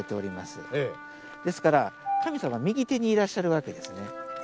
ですから神様は右手にいらっしゃるわけですね。